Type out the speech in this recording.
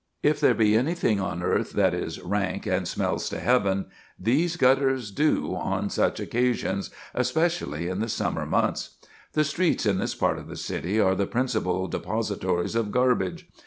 If there be anything on earth that is 'rank and smells to heaven,' these gutters do on such occasions, especially in the summer months. The streets in this part of the city are the principal depositories of garbage.